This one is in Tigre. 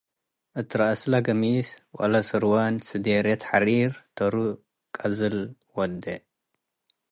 እት ረአስለ ገሚስ ወለስርዋን ስዴርየት ሐሪር ተሩ ቀዝል ወዴ ።